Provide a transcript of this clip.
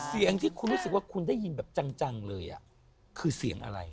เสียงที่คุณรู้สึกว่าคุณได้ยินแบบจังเลยคือเสียงอะไร